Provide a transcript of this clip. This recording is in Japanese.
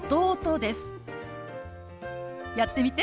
やってみて。